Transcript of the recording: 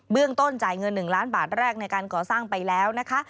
เรื่องต้นจ่ายเงิน๑ล้านบาทแรกในการก่อสร้างไปแล้วนะคะ